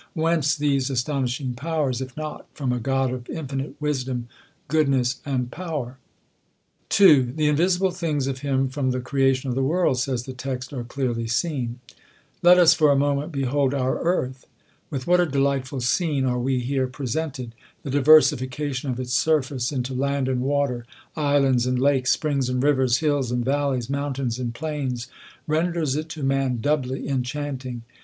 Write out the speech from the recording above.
Whence these astonishing powers, if not from a God of infinite wisdom, goodness, and power ? 2. " The invisible things of him from the creation of the world," says the text, " are clearly seen.'* Let us for a moment behold our earth. With what a delightful scene are we hei e presented ! the diversifi cation of its surface into land and water, islands and lakes, springs and rivers, hills and vallics, mountains and plains, renders it to man doubly enchanting.